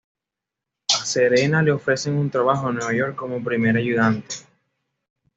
A Serena le ofrecen un trabajo en Nueva York como primer ayudante.